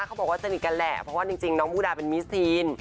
เขาบอกว่าสนิทกันแหละเพราะว่าจริงน้องมูดาเป็นมิซีน